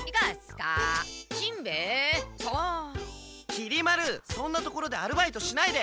きり丸そんな所でアルバイトしないで。